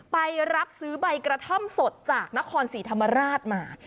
ไปรับซื้อใบกระท่อมสดจากนครศรีธรรมราชมา